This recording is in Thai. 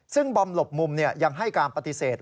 ซึ่งบอมหลบมุมยังให้การปฏิเสธ